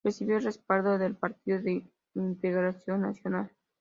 Recibió el respaldo del Partido de Integración Nacional.